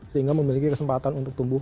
sehingga memiliki kesempatan untuk tumbuh